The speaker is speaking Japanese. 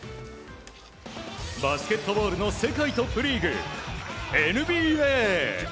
バスケットボールの世界トップリーグＮＢＡ。